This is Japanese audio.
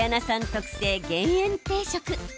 特製減塩定食。